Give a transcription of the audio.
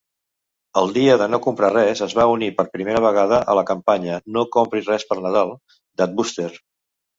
El "Dia de no comprar res" es va unir per primera vegada a la campanya "No compris res per Nadal" d'Adbuster.